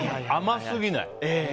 甘すぎない。